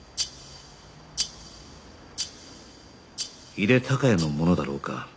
井手孝也のものだろうか？